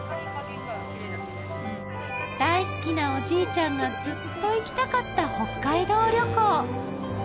大好きなおじいちゃんがずっと行きたかった北海道旅行